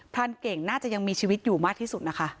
รานเก่งน่าจะยังมีชีวิตอยู่มากที่สุดนะคะ